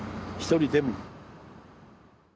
一人でも。